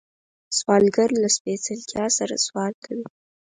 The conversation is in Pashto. سوالګر له سپېڅلتیا سره سوال کوي